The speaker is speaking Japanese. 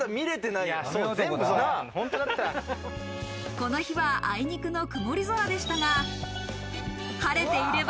この日はあいにくの曇り空でしたが、晴れていれば